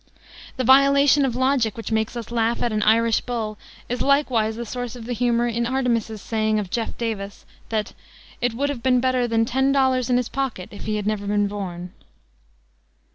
The violation of logic which makes us laugh at an Irish bull is likewise the source of the humor in Artemus's saying of Jeff Davis, that "it would have been better than ten dollars in his pocket if he had never been born."